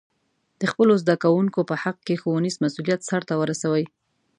د خپلو زده کوونکو په حق کې ښوونیز مسؤلیت سرته ورسوي.